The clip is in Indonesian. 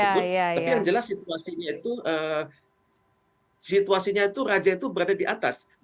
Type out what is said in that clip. tapi yang jelas situasinya itu situasinya itu raja itu berada di atas